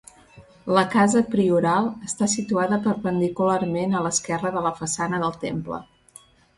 La casa Prioral està situada perpendicularment a l'esquerra de la façana del temple.